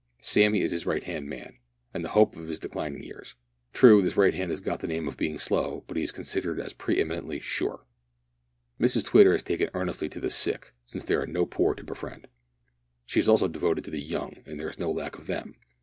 Sammy is his right hand man, and the hope of his declining years. True, this right hand has got the name of being slow, but he is considered as pre eminently sure. Mrs Twitter has taken earnestly to the sick, since there are no poor to befriend. She is also devoted to the young and there is no lack of them.